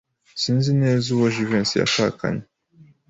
Sinzi neza uwo Jivency yashakanye.